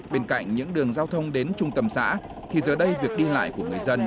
bên cạnh những đường giao thông đến trung tâm xã thì giờ đây việc đi lại của người dân